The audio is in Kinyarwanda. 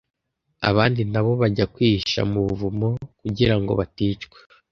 abandi na bo bajya kwihisha mu buvumo kugira ngo baticwa.